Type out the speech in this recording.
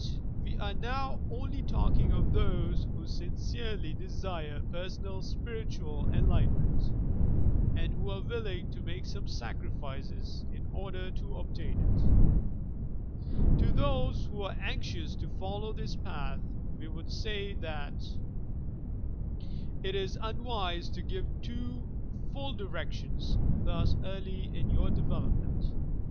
But we are now only talking of those who sincerely desire personal spiritual enlightenment, and who are willing to make some sacrifices in order to obtain it. To those who are anxious to follow this path we would say that t 3 74 YOUR PSYCHIC POWERS it is unwise to give too full directions thus early in your development.